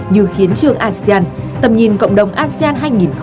như hiến trương asean tầm nhìn cộng đồng asean hai nghìn hai mươi năm